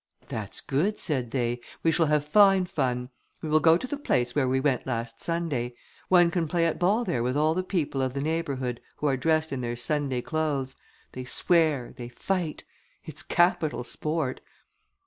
"That's good," said they, "we shall have fine fun: we will go to the place where we went last Sunday; one can play at ball there with all the people of the neighbourhood, who are dressed in their Sunday clothes: they swear, they fight; it's capital sport!